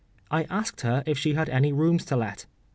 I asked her if she had any rooms to let.